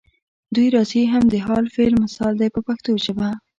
دوی راځي هم د حال فعل مثال دی په پښتو ژبه.